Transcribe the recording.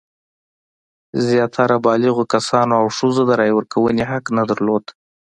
زیاتره بالغو کسانو او ښځو د رایې ورکونې حق نه درلود.